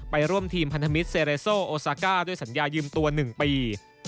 ร่วมทีมพันธมิตรเซเรโซโอซาก้าด้วยสัญญายืมตัว๑ปี